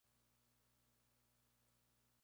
El título era concedido y retirado por el sultán.